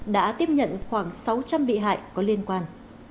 đã tiếp nhận khoảng sáu trăm linh bị hại có liên quan